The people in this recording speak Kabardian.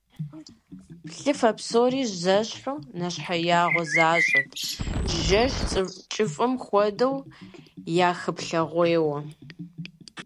Плъыфэ псори зэщхьу нэщхъеягъуэ защӀэт, жэщ кӀыфӀым хуэдэу япхыплъыгъуейуэ.